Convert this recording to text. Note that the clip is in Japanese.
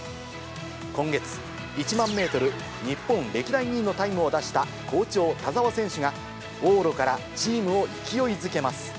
今月、１万メートル日本歴代２位のタイムを出した、好調、田澤選手が往路からチームを勢いづけます。